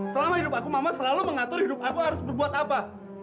selama hidup aku mama selalu mengatur hidup aku harus berbuat apa